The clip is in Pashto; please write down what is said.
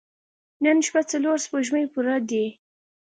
نن شپه څلور سپوږمۍ پوره دي.